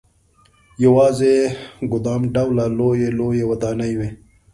یوازې ګدام ډوله لويې لويې ودانۍ وې.